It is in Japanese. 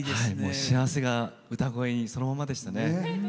幸せが歌声にそのまんまでしたね。